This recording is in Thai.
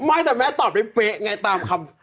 ไม่แต่แม่ตอบได้เป๊ะไงตามคำ